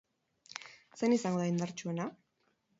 Zein izango da indartsuena?